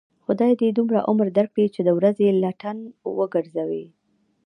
خدای دې دومره عمر در کړي، چې د ورځې لټن و گرځوې.